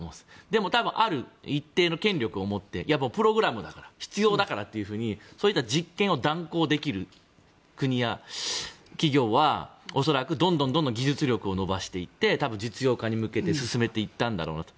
でも、一定の権力を持ってプログラムだから必要だからというふうに実験を断行できる国や企業は恐らくどんどん技術力を伸ばして実用化に進めていったんだろうなと。